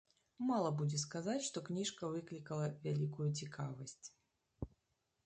Мала будзе сказаць, што кніжка выклікала вялікую цікавасць.